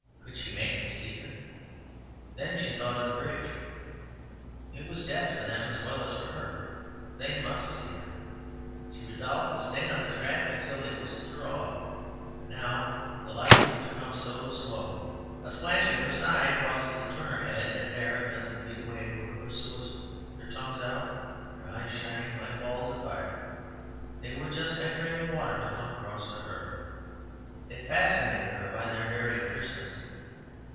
Could she make them see her? Then she thought of the bridge. It was death for them as well as for her they must see her. She resolved to stay on the track until they whistled her off; but now the light seemed to come so slow. A splash at her side caused her to turn her head, and there, a dozen feet away, were her pursuers, their tongues out, their eyes shining like balls of fire. They were just entering the water to come across to her. They fascinated her by their very fierceness.